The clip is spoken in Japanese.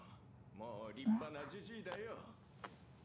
もう立派なじじいだよ。